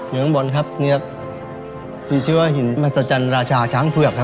ข้างบนครับเนื้อมีชื่อว่าหินมหัศจรรย์ราชาช้างเผือกครับ